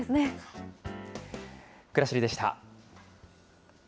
くらしりでした。